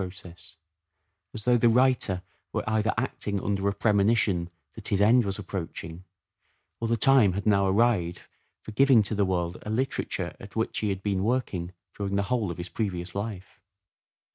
process, as though the writer were either acting under a premonition that his end was approaching, or the time had now arrived for giving to the world a literature at which he had been working during the whole of his previous life.